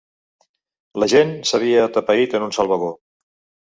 La gent s'havia atapeït en un sol vagó.